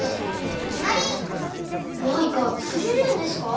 マイカつくれるんですか？